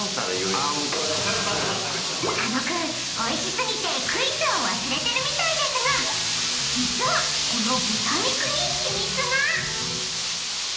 ［佐野君おいし過ぎてクイズを忘れてるみたいですが実はこの］